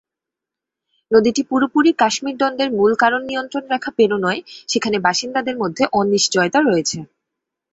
নদীটি পুরোপুরি কাশ্মীর দ্বন্দ্বের মূল কারণ নিয়ন্ত্রণ রেখা পেরোনোয় সেখানে বাসিন্দাদের মধ্যে অনিশ্চয়তা রয়েছে।